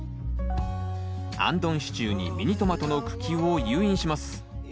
あんどん支柱にミニトマトの茎を誘引します。